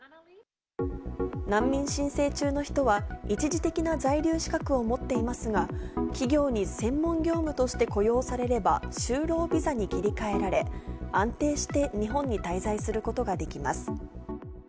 難民申請中の人は、一時的な在留資格を持っていますが、企業に専門業務として雇用されれば、就労ビザに切り替えられ、安定して日本に滞在することができます。